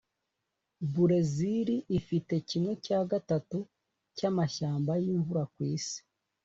burezili ifite kimwe cya gatatu cyamashyamba yimvura kwisi.